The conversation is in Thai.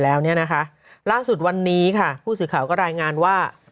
แล้วเนี่ยนะคะล่าสุดวันนี้ค่ะผู้สื่อข่าวก็รายงานว่า